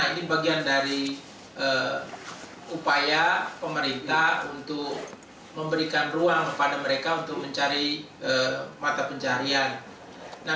ini bagian dari upaya pemerintah untuk memberikan ruang kepada mereka untuk mencari mata pencarian